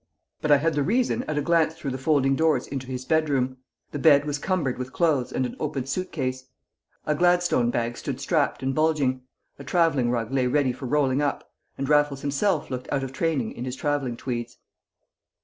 But I had the reason at a glance through the folding doors into his bedroom. The bed was cumbered with clothes and an open suit case. A Gladstone bag stood strapped and bulging; a travelling rug lay ready for rolling up, and Raffles himself looked out of training in his travelling tweeds.